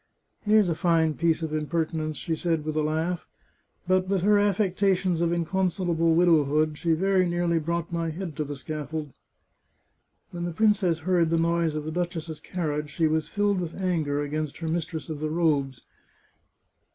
" Here's a fine piece of impertinence," she said with a laugh, " But with her affectations of inconsolable widow hood, she very nearly brought my head to the scaffold." When the princess heard the noise of the duchess's car riage, she was filled with anger against her mistress of the robes.